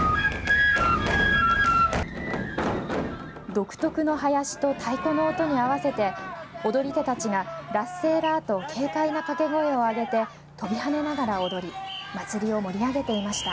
独特の囃子と太鼓の音に合わせて踊り手たちがラッセーラーと軽快な掛け声をあげて飛び跳ねながら踊り祭りを盛り上げていました。